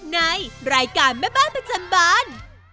ในรายการแม่บ้านประจำบาน